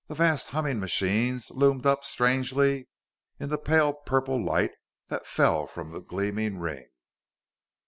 The vast, humming machines loomed up strangely in the pale purple light that fell from the gleaming ring.